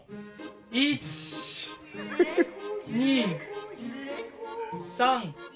１２３。